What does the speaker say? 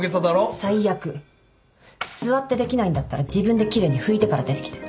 最悪座ってできないんだったら自分で奇麗に拭いてから出てきて。